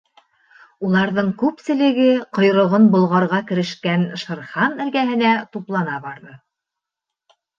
Уларҙың күпселеге ҡойроғон болғарға керешкән Шер Хан эргәһенә туплана барҙы.